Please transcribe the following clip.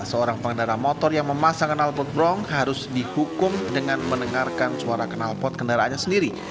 seorang pengendara motor yang memasang kenal pot bronk harus dihukum dengan mendengarkan suara kenalpot kendaraannya sendiri